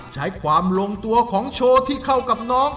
ใช้ความลงตัวของโชว์ที่เข้ากับน้อง